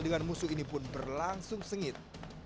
dengan musuh ini pun berlangsung sengit